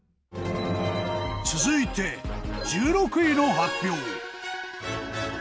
続いて１６位の発表。